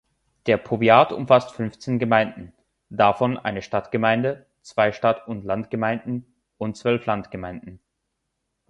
Der Powiat umfasst fünfzehn Gemeinden, davon eine Stadtgemeinde, zwei Stadt-und-Land-Gemeinden und zwölf Landgemeinden.